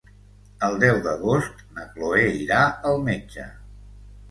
El deu d'agost na Chloé irà al metge.